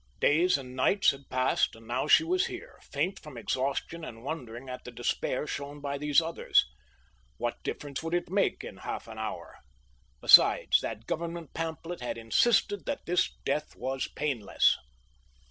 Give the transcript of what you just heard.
Days and nights had passed, and now she was here, faint from exhaustion, and wondering at the despair shown by those others. What difference would it make in half an hour? Besides, that Government pamphlet had insisted that this death was painless!